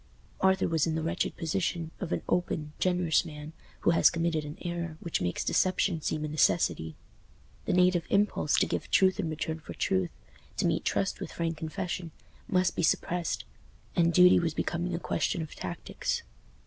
Arthur was in the wretched position of an open, generous man who has committed an error which makes deception seem a necessity. The native impulse to give truth in return for truth, to meet trust with frank confession, must be suppressed, and duty was becoming a question of tactics.